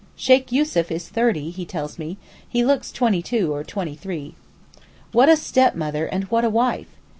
(Sheykh Yussuf is thirty he tells me; he looks twenty two or twenty three.) What a stepmother and what a wife!